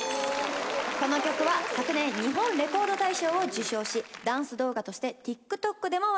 この曲は昨年日本レコード大賞を受賞しダンス動画としてＴｉｋＴｏｋでも話題になっていました。